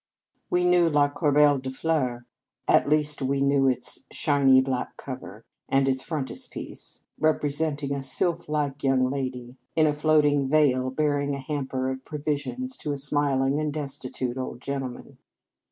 We knew " La Corbeille de Fleurs." At least, we knew its shiny black cover, and its frontispiece, represent ing a sylphlike young lady in a float 185 In Our Convent Days ing veil bearing a hamper of provisions to a smiling and destitute old gentle man.